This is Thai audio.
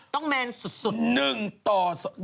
ต้องแมนสุดหนึ่งต่อสอง